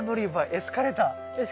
エスカレーター。